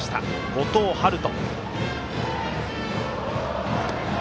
後藤陽人。